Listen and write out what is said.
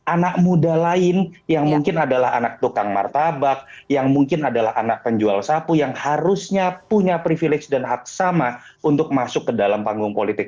anak muda lain yang mungkin adalah anak tukang martabak yang mungkin adalah anak penjual sapu yang harusnya punya privilege dan hak sama untuk masuk ke dalam panggung politik